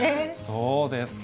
そうですか。